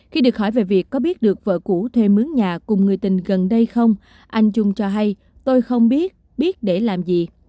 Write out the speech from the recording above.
khi được hỏi về việc có biết được vợ cũ thuê mướn nhà cùng người tình gần đây không anh dung cho hay tôi không biết biết để làm gì